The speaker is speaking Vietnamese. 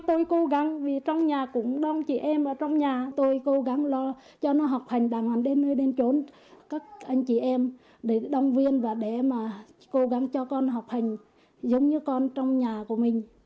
tôi cố gắng vì trong nhà cũng đông chị em ở trong nhà tôi cố gắng lo cho nó học hành đàng hoàng đến nơi đến chỗ các anh chị em để động viên và để mà cố gắng cho con học hành giống như con trong nhà của mình